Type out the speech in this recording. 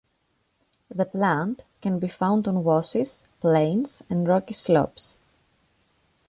The plant can be found on washes, plains, and rocky slopes.